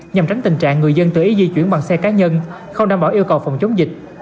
nhằm tránh tình trạng người dân tự ý di chuyển bằng xe cá nhân không đảm bảo yêu cầu phòng chống dịch